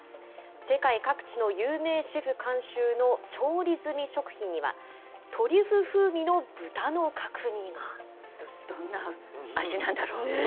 世界各地の有名シェフ監修の調理済み食品には、トリュフ風味の豚どんな味なんだろう。